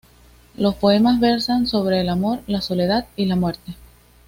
Los poemas versan sobre el amor, la soledad y la muerte.